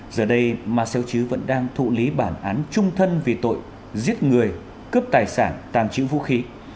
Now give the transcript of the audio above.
giờ đây ma seo chứ vẫn đang thụ lý bản án trung thân vì tội giết người cướp tài sản tàn trữ vũ khí